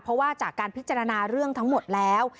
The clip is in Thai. เพราะว่าจากการพิจารณาเรื่องทั้งหมดแล้ว